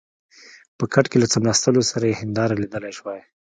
په کټ کې له څملاستو سره مې هنداره لیدلای شوای.